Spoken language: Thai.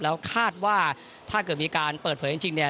แล้วคาดว่าถ้าเกิดมีการเปิดเผยจริงเนี่ย